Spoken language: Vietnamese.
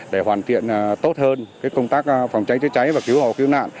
để hoàn thiện tốt hơn công tác phòng cháy chữa cháy và cứu hộ cứu nạn